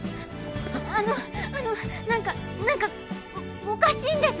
あのあのなんかなんかおかしいんです。